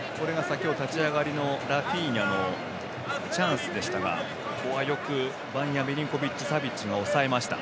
立ち上がりのラフィーニャのチャンスでしたがここはよくバンヤ・ミリンコビッチ・サビッチが抑えました。